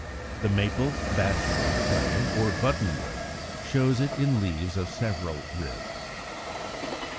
The Maple, Basswood, Plane or Buttonwood (Fig. 74) show it in leaves of several ribs.